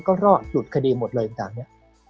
ก็รอดหลุดคดีหมดเลยต่างเนี่ย